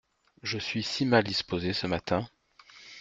Je suis si mal disposée ce matin !